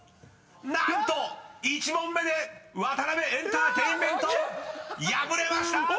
［何と１問目でワタナベエンターテインメント敗れました！］